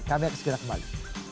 kami akan segera kembali